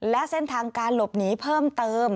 และเส้นทางการหลบหนีเพิ่มเติม